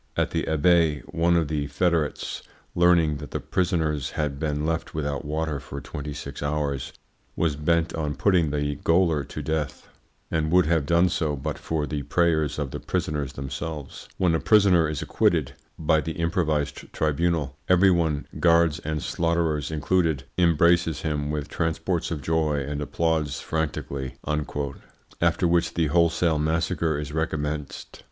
At the Abbaye, one of the federates, learning that the prisoners had been left without water for twenty six hours, was bent on putting the gaoler to death, and would have done so but for the prayers of the prisoners themselves. When a prisoner is acquitted (by the improvised tribunal) every one, guards and slaughterers included, embraces him with transports of joy and applauds frantically," after which the wholesale massacre is recommenced.